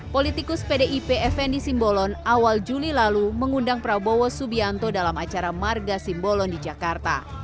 politikus pdip fnd simbolon awal juli lalu mengundang prabowo subianto dalam acara marga simbolon di jakarta